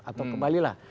atau kembali lah